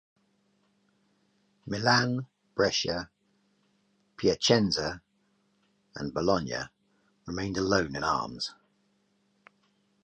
Milan, Brescia, Piacenza and Bologna remained alone in Arms.